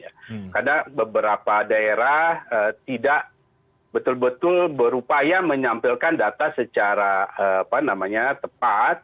karena beberapa daerah tidak betul betul berupaya menyampilkan data secara tepat